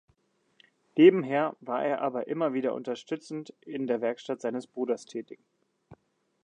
Nebenher war er aber immer wieder unterstützend in der Werkstatt seines Bruders tätig.